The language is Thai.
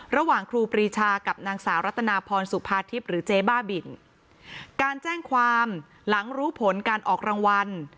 ครูปรีชากับนางสาวรัตนาพรสุภาทิพย์หรือเจ๊บ้าบินการแจ้งความหลังรู้ผลการออกรางวัล